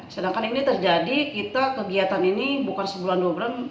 sedangkan ini terjadi kita kegiatan ini bukan sebulan dua bulan